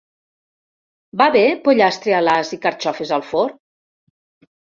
Va bé pollastre a l'ast i carxofes al forn?